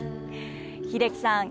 英樹さん